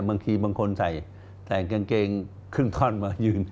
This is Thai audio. บางทีบางคนใส่แต่งกางเกงครึ่งท่อนมายืน